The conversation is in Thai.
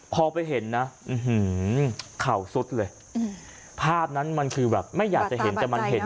พอไปเห็นนะข่าวสุดเลยภาพนั้นมันคือแบบไม่อยากจะเห็น